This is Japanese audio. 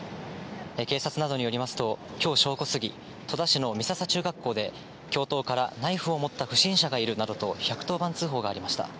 警察などによりますと、きょう正午過ぎ、戸田市の美笹中学校で、教頭から、ナイフを持った不審者がいるなどと１１０番通報がありました。